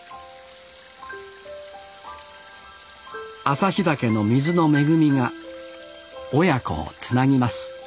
旭岳の水の恵みが親子をつなぎます